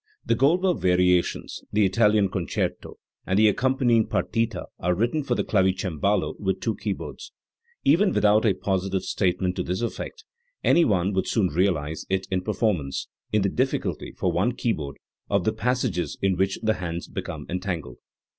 The Goldberg Variations, the Italian Concerto, and the accompanying partita are written for the clavicembalo with two keyboards, Even without a positive statement to this effect any one would soon realise it in performance, in the difficulty, for one keyboard, of the passages in which the hands become entangled.